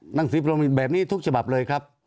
หนังสือพรมมินแบบนี้ทุกฉบับเลยครับ